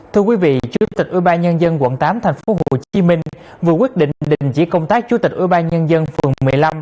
thưa quý vị chủ tịch ủy ba nhân dân quận tám tp hcm vừa quyết định đình chỉ công tác chủ tịch ủy ba nhân dân phường một mươi năm